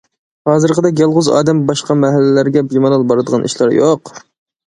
ھازىرقىدەك يالغۇز ئادەم باشقا مەھەللىلەرگە بىمالال بارىدىغان ئىشلار يوق.